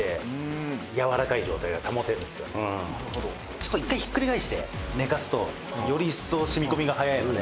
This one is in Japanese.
「ちょっと１回ひっくり返して寝かすとより一層染み込みが早いので」